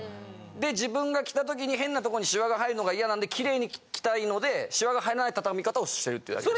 で自分が着た時に変なとこにシワが入るのがイヤなんでキレイに着たいのでシワが入らない畳み方をしてるっていうだけです。